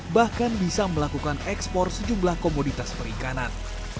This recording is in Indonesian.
bahkan bisa melakukan ekspor sejumlah komoditas perikanan